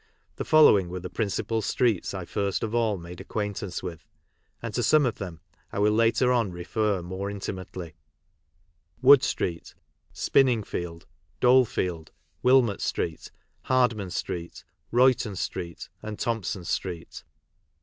The following were the principal streets I first of all made acquaintance with, and to some of them I will later on refer more intimately Wood street, Spinningfield, Dolefield, Willmott street, Hard man street, Eoyton street, and Thomp son street.